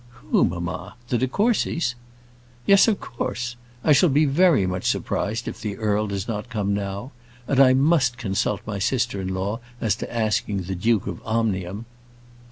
"Who, mamma? the de Courcys?" "Yes, of course. I shall be very much surprised if the earl does not come now. And I must consult my sister in law as to asking the Duke of Omnium."